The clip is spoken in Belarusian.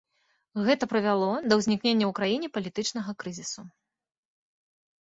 Гэта прывяло да ўзнікнення ў краіне палітычнага крызісу.